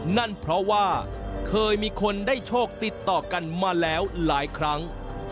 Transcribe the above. นั่นเพราะว่าเคยมีคนได้โชคติดต่อกันมาแล้วหลายครั้ง